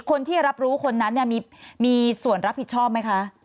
คนที่รับรู้คนนั้นเนี่ยมีส่วนรับผิดชอบไหมคะ